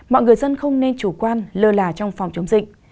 mọi người dân không nên chủ quan lơ là trong phòng chống dịch